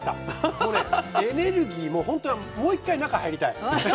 もうねエネルギーもうほんともう１回中入りたい。